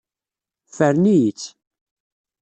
Ffren-iyi-tt.